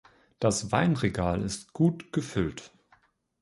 Das Weinregal ist gut gefüllt.